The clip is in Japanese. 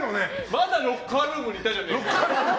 まだロッカールームにいたじゃん。